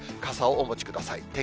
傘をお持ちください。